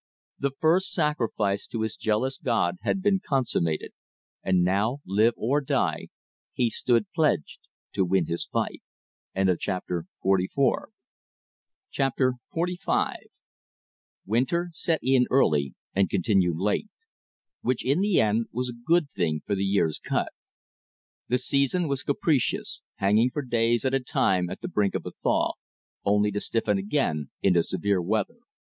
The first sacrifice to his jealous god had been consummated, and now, live or die, he stood pledged to win his fight. Chapter XLV Winter set in early and continued late; which in the end was a good thing for the year's cut. The season was capricious, hanging for days at a time at the brink of a thaw, only to stiffen again into severe weather.